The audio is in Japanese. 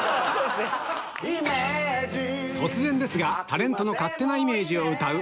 突然ですがタレントの勝手なイメージを歌う